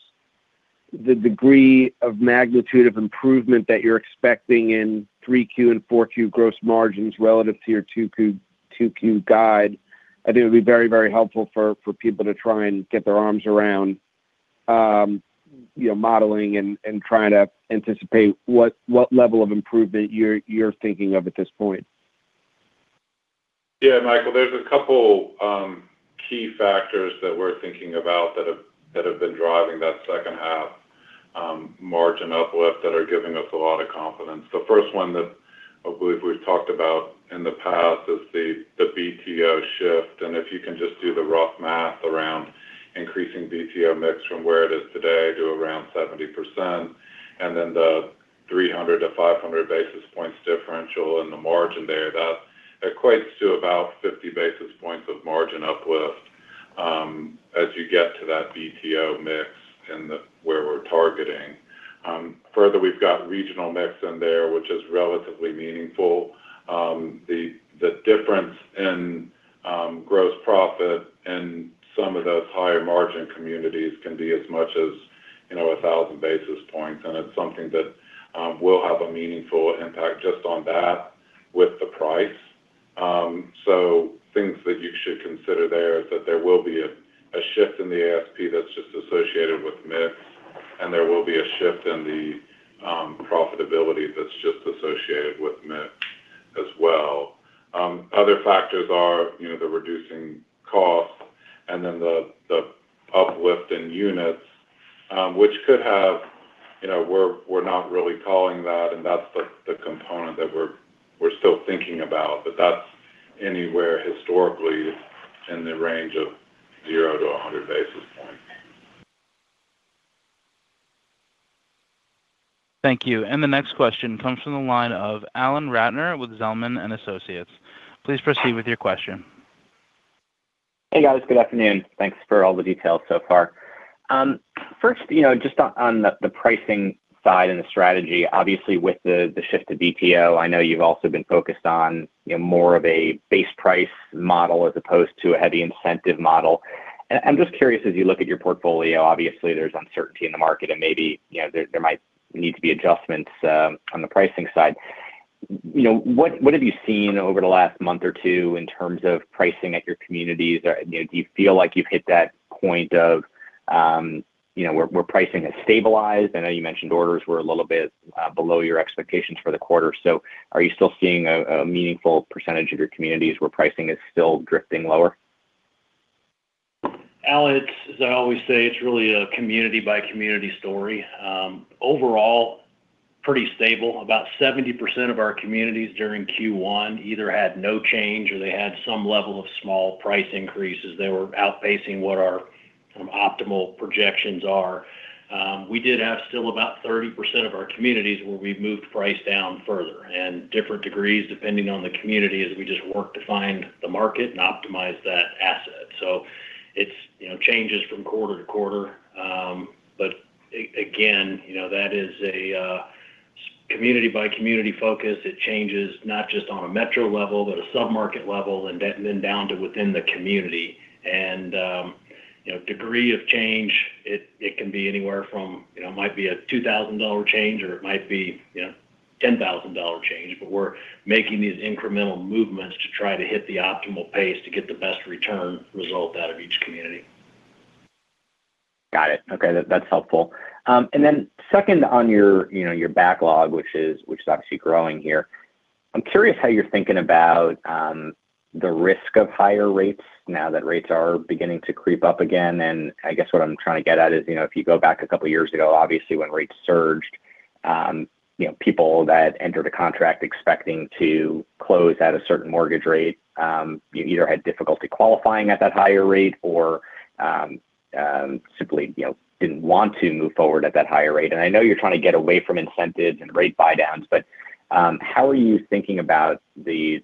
the degree of magnitude of improvement that you're expecting in 3Q and 4Q gross margins relative to your 2Q guide. I think it would be very, very helpful for people to try and get their arms around, you know, modeling and trying to anticipate what level of improvement you're thinking of at this point. Yeah, Michael, there's a couple key factors that we're thinking about that have been driving that second half margin uplift that are giving us a lot of confidence. The first one that I believe we've talked about in the past is the BTO shift. If you can just do the rough math around increasing BTO mix from where it is today to around 70%, and then the 300-500 basis points differential in the margin there, that equates to about 50 basis points of margin uplift as you get to that BTO mix and where we're targeting. Further, we've got regional mix in there, which is relatively meaningful. The difference in gross profit in some of those higher margin communities can be as much as, you know, 1,000 basis points. It's something that will have a meaningful impact just on that with the price. Things that you should consider there is that there will be a shift in the ASP that's just associated with mix, and there will be a shift in the profitability that's just associated with mix as well. Other factors are, you know, the reducing costs and then the uplift in units, which could have, you know, we're not really calling that, and that's the component that we're still thinking about, but that's anywhere historically in the range of 0-100 basis points. Thank you. The next question comes from the line of Alan Ratner with Zelman & Associates. Please proceed with your question. Hey, guys. Good afternoon. Thanks for all the details so far. First, you know, just on the pricing side and the strategy, obviously with the shift to BTO, I know you've also been focused on, you know, more of a base price model as opposed to a heavy incentive model. Just curious, as you look at your portfolio, obviously there's uncertainty in the market and maybe, you know, there might need to be adjustments on the pricing side. You know, what have you seen over the last month or two in terms of pricing at your communities? Or, you know, do you feel like you've hit that point of where pricing has stabilized? I know you mentioned orders were a little bit below your expectations for the quarter. Are you still seeing a meaningful percentage of your communities where pricing is still drifting lower? Alan, as I always say, it's really a community by community story. Overall, pretty stable. About 70% of our communities during Q1 either had no change or they had some level of small price increases. They were outpacing what our optimal projections are. We did have still about 30% of our communities where we've moved price down further and different degrees depending on the community as we just work to find the market and optimize that asset. It's, you know, changes from quarter-to-quarter. Again, you know, that is a community by community focus. It changes not just on a metro level, but a sub-market level and then down to within the community. You know, degree of change, it can be anywhere from, you know, it might be a $2,000 change or it might be, you know, $10,000 change. But we're making these incremental movements to try to hit the optimal pace to get the best return result out of each community. Got it. Okay. That's helpful. Then second on your, you know, your backlog, which is obviously growing here. I'm curious how you're thinking about the risk of higher rates now that rates are beginning to creep up again. I guess what I'm trying to get at is, you know, if you go back a couple of years ago, obviously when rates surged, you know, people that entered a contract expecting to close at a certain mortgage rate, either had difficulty qualifying at that higher rate or simply, you know, didn't want to move forward at that higher rate. I know you're trying to get away from incentives and rate buydowns, but how are you thinking about the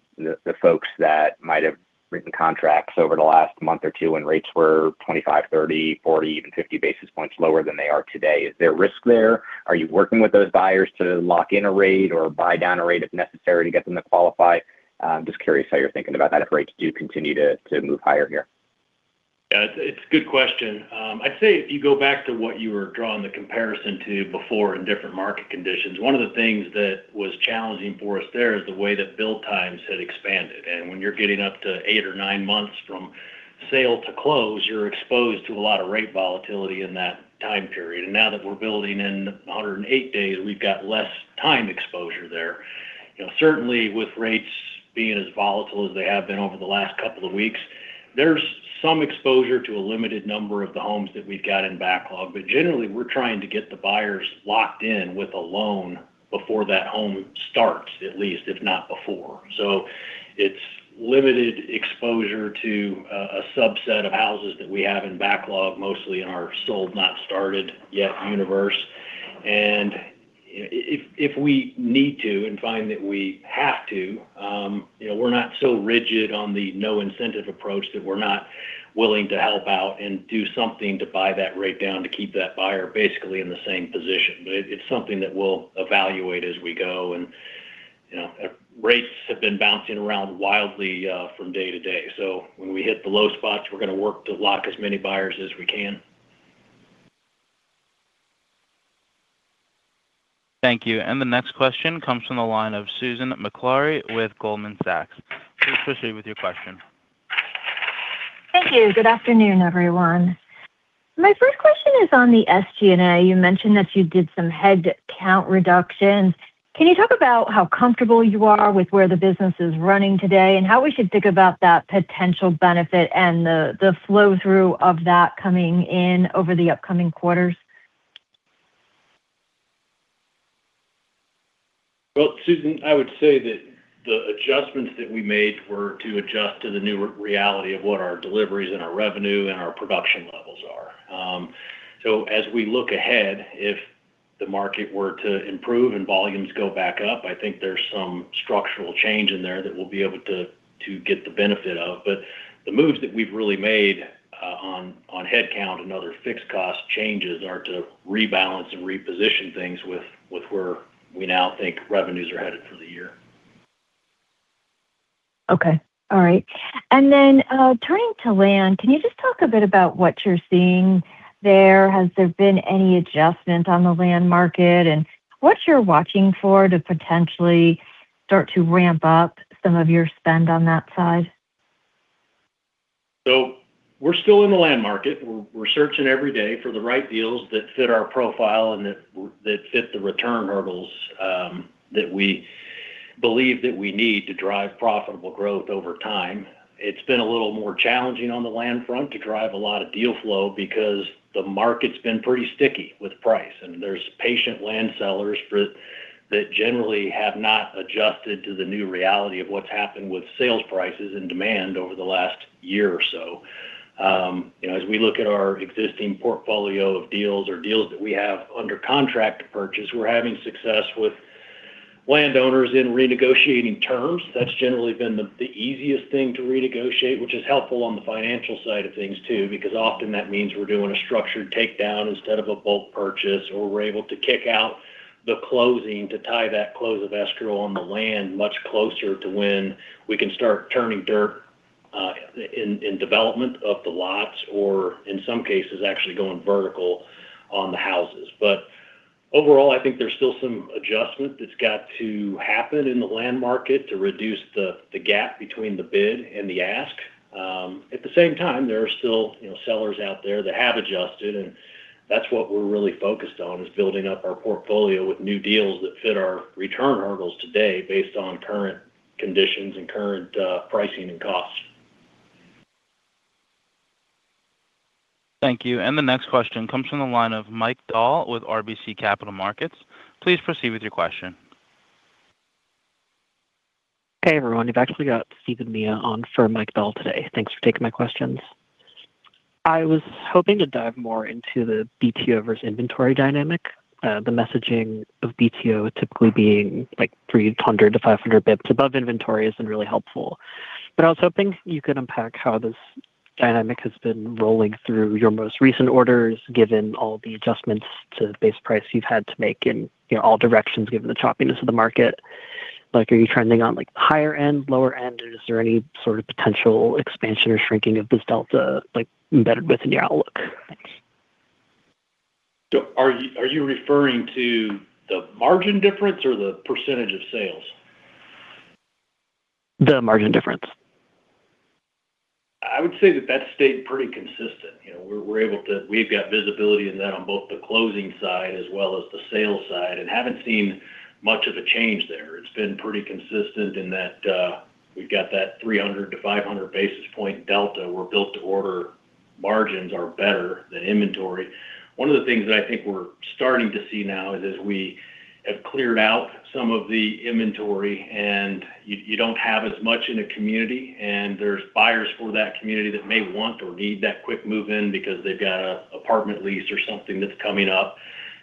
folks that might have written contracts over the last month or two when rates were 25, 30, 40, even 50 basis points lower than they are today? Is there risk there? Are you working with those buyers to lock in a rate or buy down a rate if necessary to get them to qualify? Just curious how you're thinking about that if rates do continue to move higher here. Yeah. It's a good question. I'd say if you go back to what you were drawing the comparison to before in different market conditions, one of the things that was challenging for us there is the way that build times had expanded. When you're getting up to eight or nine months from sale to close, you're exposed to a lot of rate volatility in that time period. Now that we're building in 108 days, we've got less time exposure there. You know, certainly with rates being as volatile as they have been over the last couple of weeks, there's some exposure to a limited number of the homes that we've got in backlog. Generally, we're trying to get the buyers locked in with a loan before that home starts, at least, if not before. It's limited exposure to a subset of houses that we have in backlog, mostly in our sold, not started yet universe. If we need to and find that we have to, we're not so rigid on the no incentive approach that we're not willing to help out and do something to buy that rate down to keep that buyer basically in the same position. It's something that we'll evaluate as we go. Rates have been bouncing around wildly from day to day. When we hit the low spots, we're going to work to lock as many buyers as we can. Thank you. The next question comes from the line of Susan Maklari with Goldman Sachs. Please proceed with your question. Thank you. Good afternoon, everyone. My first question is on the SG&A. You mentioned that you did some head count reductions. Can you talk about how comfortable you are with where the business is running today and how we should think about that potential benefit and the flow-through of that coming in over the upcoming quarters? Well, Susan, I would say that the adjustments that we made were to adjust to the new reality of what our deliveries and our revenue and our production levels are. So as we look ahead, if the market were to improve and volumes go back up, I think there's some structural change in there that we'll be able to to get the benefit of. The moves that we've really made on headcount and other fixed cost changes are to rebalance and reposition things with where we now think revenues are headed for the year. Okay. All right. Turning to land, can you just talk a bit about what you're seeing there? Has there been any adjustment on the land market and what you're watching for to potentially start to ramp up some of your spend on that side? We're still in the land market. We're searching every day for the right deals that fit our profile and that fit the return hurdles that we believe that we need to drive profitable growth over time. It's been a little more challenging on the land front to drive a lot of deal flow because the market's been pretty sticky with price, and there's patient land sellers that generally have not adjusted to the new reality of what's happened with sales prices and demand over the last year or so. You know, as we look at our existing portfolio of deals or deals that we have under contract to purchase, we're having success with landowners in renegotiating terms. That's generally been the easiest thing to renegotiate, which is helpful on the financial side of things too, because often that means we're doing a structured takedown instead of a bulk purchase, or we're able to kick out the closing to tie that close of escrow on the land much closer to when we can start turning dirt in development of the lots or in some cases actually going vertical on the houses. Overall, I think there's still some adjustment that's got to happen in the land market to reduce the gap between the bid and the ask. At the same time, there are still, you know, sellers out there that have adjusted, and that's what we're really focused on, is building up our portfolio with new deals that fit our return hurdles today based on current conditions and current pricing and costs. Thank you. The next question comes from the line of Mike Dahl with RBC Capital Markets. Please proceed with your question. Hey, everyone. We've actually got Stephen Mea on for Mike Dahl today. Thanks for taking my questions. I was hoping to dive more into the BTO versus inventory dynamic. The messaging of BTO typically being, like, 300-500 basis points above inventory isn't really helpful. I was hoping you could unpack how this dynamic has been rolling through your most recent orders, given all the adjustments to the base price you've had to make in, you know, all directions, given the choppiness of the market. Like, are you trending on, like, the higher end, lower end, or is there any sort of potential expansion or shrinking of this delta, like, embedded within your outlook? Are you referring to the margin difference or the percentage of sales? The margin difference. I would say that stayed pretty consistent. You know, we've got visibility in that on both the closing side as well as the sales side and haven't seen much of a change there. It's been pretty consistent in that, we've got that 300-500 basis point delta where Built to Order margins are better than inventory. One of the things that I think we're starting to see now is, as we have cleared out some of the inventory and you don't have as much in a community, and there's buyers for that community that may want or need that quick move in because they've got an apartment lease or something that's coming up.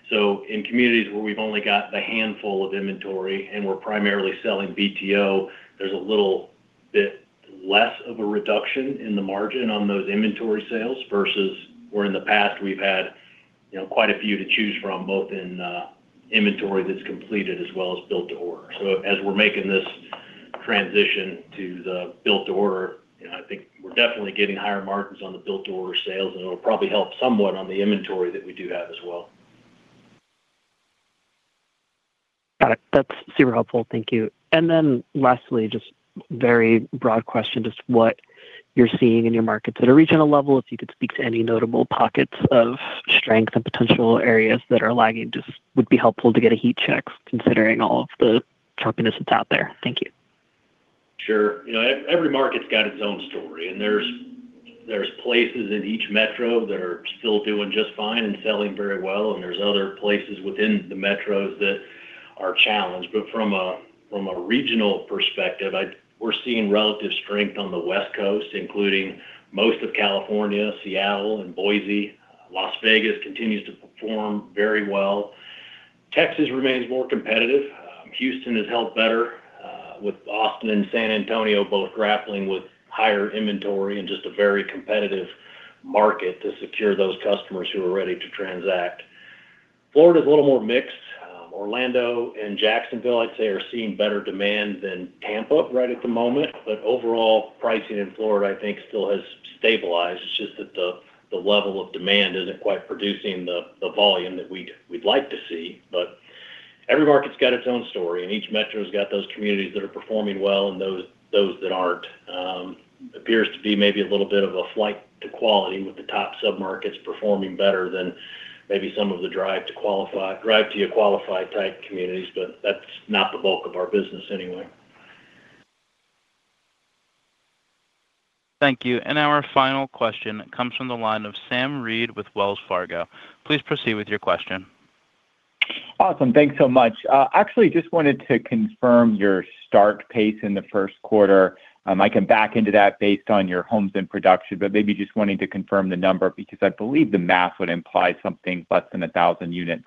In communities where we've only got a handful of inventory and we're primarily selling BTO, there's a little bit less of a reduction in the margin on those inventory sales versus where in the past we've had, you know, quite a few to choose from, both in, inventory that's completed as well as Built to Order. As we're making this transition to the Built to Order, you know, I think we're definitely getting higher margins on the Built to Order sales, and it'll probably help somewhat on the inventory that we do have as well. Got it. That's super helpful. Thank you. Lastly, just very broad question, just what you're seeing in your markets at a regional level. If you could speak to any notable pockets of strength and potential areas that are lagging. Just would be helpful to get a heat check considering all of the choppiness that's out there. Thank you. Sure. You know, every market's got its own story, and there's places in each metro that are still doing just fine and selling very well, and there's other places within the metros that are challenged. From a regional perspective, we're seeing relative strength on the West Coast, including most of California, Seattle and Boise. Las Vegas continues to perform very well. Texas remains more competitive. Houston has held better, with Austin and San Antonio both grappling with higher inventory and just a very competitive market to secure those customers who are ready to transact. Florida's a little more mixed. Orlando and Jacksonville, I'd say, are seeing better demand than Tampa right at the moment. Overall, pricing in Florida I think still has stabilized. It's just that the level of demand isn't quite producing the volume that we'd like to see. Every market's got its own story, and each metro's got those communities that are performing well and those that aren't. Appears to be maybe a little bit of a flight to quality with the top submarkets performing better than maybe some of the drive to qualify, drive-til-you-qualify type communities, but that's not the bulk of our business anyway. Thank you. Our final question comes from the line of Sam Reid with Wells Fargo. Please proceed with your question. Awesome. Thanks so much. Actually just wanted to confirm your start pace in the first quarter. I can back into that based on your homes in production, but maybe just wanting to confirm the number because I believe the math would imply something less than 1,000 units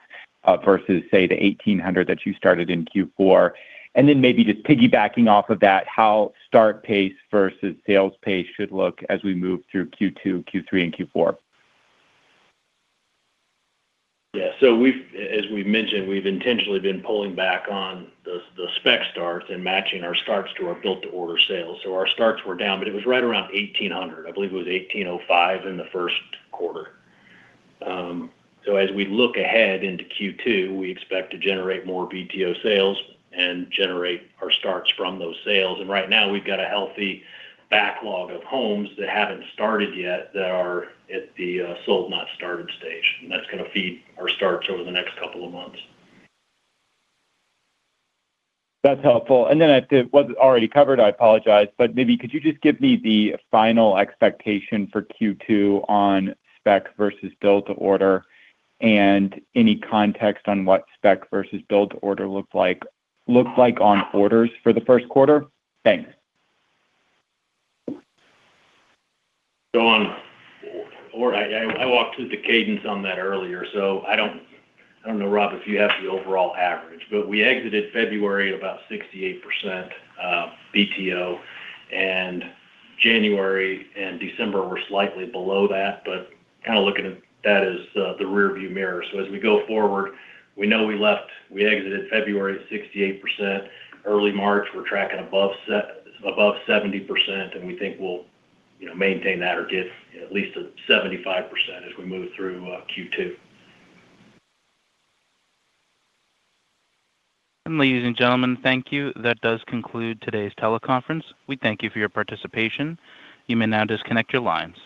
versus, say, the 1,800 that you started in Q4. Maybe just piggybacking off of that, how start pace versus sales pace should look as we move through Q2, Q3, and Q4. Yeah. We've mentioned, we've intentionally been pulling back on the spec starts and matching our starts to our Built to Order sales. Our starts were down, but it was right around 1,800. I believe it was 1,805 in the first quarter. As we look ahead into Q2, we expect to generate more BTO sales and generate our starts from those sales. Right now we've got a healthy backlog of homes that haven't started yet that are at the sold not started stage, and that's gonna feed our starts over the next couple of months. That's helpful. If it wasn't already covered, I apologize, but maybe could you just give me the final expectation for Q2 on spec versus Built to Order, and any context on what spec versus Built to Order looked like on orders for the first quarter? Thanks. I walked through the cadence on that earlier, so I don't know, Rob, if you have the overall average. We exited February at about 68% BTO, and January and December were slightly below that. Kind of looking at that as the rearview mirror. As we go forward, we know we exited February at 68%. Early March, we're tracking above 70%, and we think we'll, you know, maintain that or get at least to 75% as we move through Q2. Ladies and gentlemen, thank you. That does conclude today's teleconference. We thank you for your participation. You may now disconnect your lines.